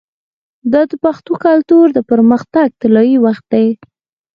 دا د پښتو کلتور د پرمختګ طلایی وخت دی.